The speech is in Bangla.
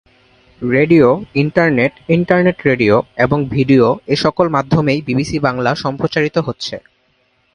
রেডিও, ইন্টারনেট, ইন্টারনেট রেডিও এবং ভিডিও এ সকল মাধ্যমেই বিবিসি বাংলা সম্প্রচারিত হচ্ছে।